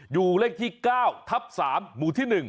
อยู่เลขที่๙ทับ๓หมู่ที่๑